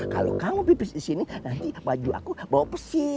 kalau kamu pipis disini nanti baju aku bawa pesing